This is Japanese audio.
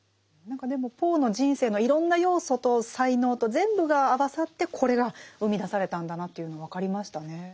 何かでもポーの人生のいろんな要素と才能と全部が合わさってこれが生み出されたんだなというの分かりましたね。